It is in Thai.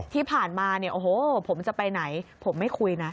ที่ผ่านมาผมจะไปไหนผมไม่คุยนะ